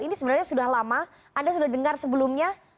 ini sebenarnya sudah lama anda sudah dengar sebelumnya